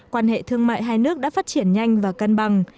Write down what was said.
quan hệ thương mại hai nước đã phát triển nhanh và cân bằng